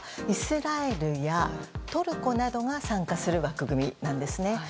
イスラエルやトルコなどが参加する枠組みなんですね。